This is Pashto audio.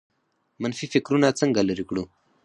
منفي فکرونه څنګه لرې کړو؟